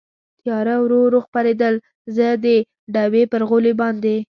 تېاره ورو ورو خپرېدل، زه د ډبې پر غولي باندې.